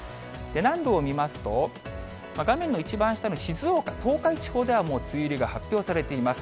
南部を見ますと、画面の一番下の静岡、東海地方ではもう梅雨入りが発表されています。